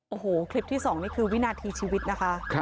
โอ้โหคลิปที่๒นี่คือวินาทีชีวิตนะคะ